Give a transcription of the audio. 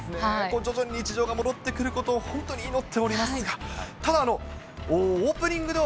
徐々に日常が戻ってくることを本当に祈っておりますが、ただ、オープニングでは